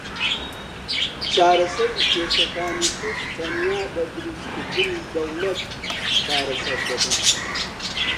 چارەسەری کێشەکانی کورد تەنیا بە دروستکردنی دەوڵەت چارەسەر دەبن.